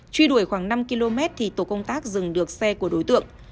truy đuổi khoảng năm km thì tổ công tác dừng được xe của đối tượng